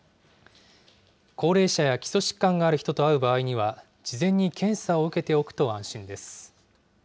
高齢者や基礎疾患がある人と会う場合は事前に検査を受けておくと安心です。